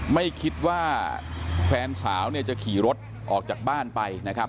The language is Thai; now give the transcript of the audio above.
ไม่คิดว่าแฟนสาวเนี่ยจะขี่รถออกจากบ้านไปนะครับ